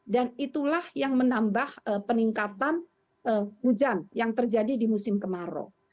dan itulah yang menambah peningkatan hujan yang terjadi di musim kemarau